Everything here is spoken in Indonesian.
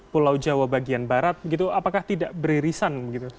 pulau jawa bagian barat gitu apakah tidak beririsan gitu